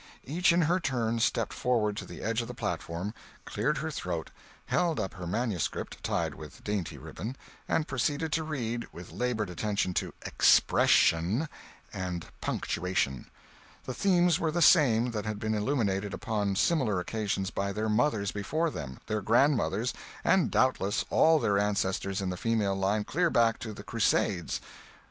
Each in her turn stepped forward to the edge of the platform, cleared her throat, held up her manuscript (tied with dainty ribbon), and proceeded to read, with labored attention to "expression" and punctuation. The themes were the same that had been illuminated upon similar occasions by their mothers before them, their grandmothers, and doubtless all their ancestors in the female line clear back to the Crusades.